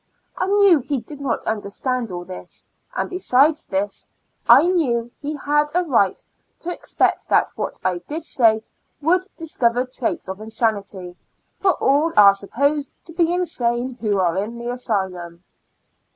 I knew he did not understand all this; and besides this, I knew he had a right to expect that what I did say would discover traits of IN A Lunatic Asylum, 117 insanity, for all are supposed to be insane who are in the asylum.